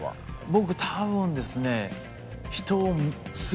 僕多分ですね。